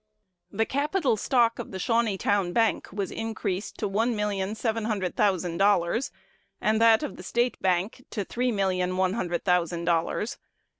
The capital stock of the Shawneetown Bank was increased to one million seven hundred thousand dollars, and that of the State Bank to three million one hundred thousand dollars.